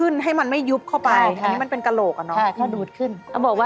นี่เขาดูดขึ้นนะจ๊ะ